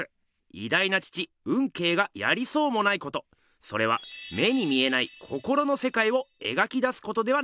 いだいな父運慶がやりそうもないことそれは目に見えない心の世界を描き出すことではないでしょうか。